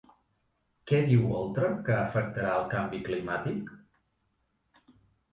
Què diu Oltra que afectarà el canvi climàtic?